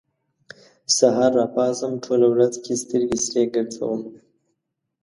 سهار راپاڅم، ټوله ورځ کې سترګې سرې ګرځوم